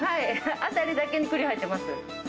当たりだけに栗、入ってます。